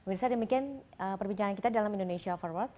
pemirsa demikian perbincangan kita dalam indonesia forward